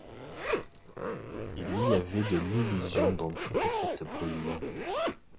Il y avait de l’illusion dans toute cette brume.